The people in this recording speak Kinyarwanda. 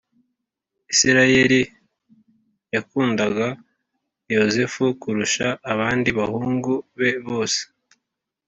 Isirayeli yakundaga Yozefu kurusha abandi bahungu be bose